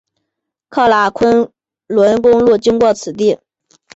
喀喇昆仑公路经过此地。